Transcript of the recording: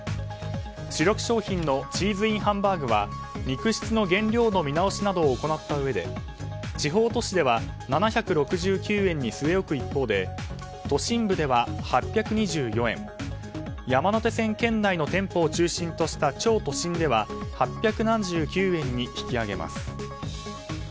主力商品のチーズＩＮハンバーグは肉質の原料の見直しなどを行ったうえで地方都市では７６９円に据え置く一方で都心部では８２４円山手線圏内の店舗を中心とした超都心では８７９円に引き上げます。